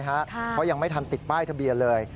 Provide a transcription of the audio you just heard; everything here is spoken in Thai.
เพราะยังไม่ทันติดป้ายทะเบียนเลย